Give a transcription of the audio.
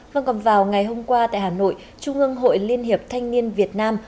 vâng còn vào ngày hôm qua tại hà nội trung ương hội liên hiệp thanh niên việt nam